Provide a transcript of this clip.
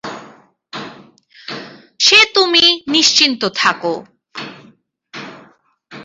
সে তুমি নিশ্চিন্ত থাকো।